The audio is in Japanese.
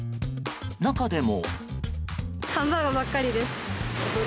中でも。